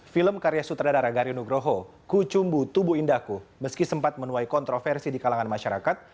film karya sutradara gari nugroho kucumbu tubuh indahku meski sempat menuai kontroversi di kalangan masyarakat